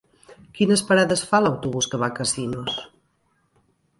Quines parades fa l'autobús que va a Casinos?